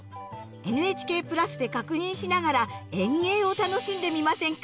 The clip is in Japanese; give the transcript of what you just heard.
ＮＨＫ＋で確認しながら園芸を楽しんでみませんか？